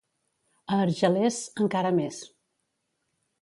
A Argelers, encara més.